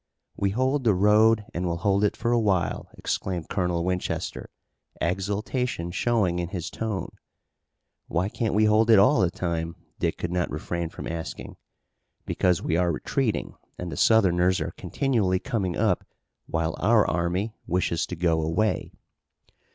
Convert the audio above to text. "We hold the road and we'll hold it for a while," exclaimed Colonel Winchester, exultation showing in his tone. "Why can't we hold it all the time?" Dick could not refrain from asking. "Because we are retreating and the Southerners are continually coming up, while our army wishes to go away."